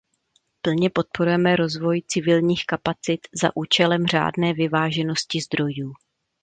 Plně podporujeme rozvoj civilních kapacit za účelem řádné vyváženosti zdrojů.